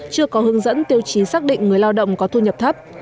chưa có hướng dẫn tiêu chí xác định người lao động có thu nhập thấp